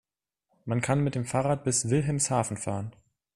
Man kann mit dem Fahrrad bis Wilhelmshaven fahren